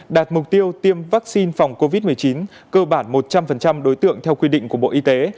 đạt mục tiêu tiêm vaccine phòng covid một mươi chín cơ bản một trăm linh đối tượng theo quy định của bộ y tế